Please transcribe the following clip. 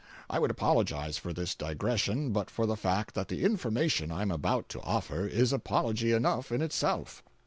I would apologize for this digression but for the fact that the information I am about to offer is apology enough in itself.